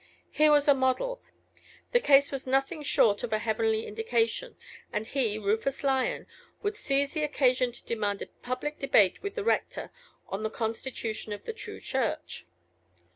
Here was a model: the case was nothing short of a heavenly indication, and he, Rufus Lyon, would seize the occasion to demand a public debate with the rector on the constitution of the true Church.